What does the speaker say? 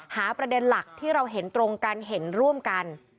ประเด็นหลักที่เราเห็นตรงกันเห็นร่วมกัน